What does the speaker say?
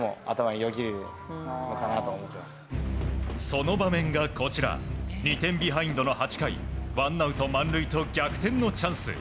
その場面がこちら２点ビハインドの８回ワンアウト満塁と逆転のチャンス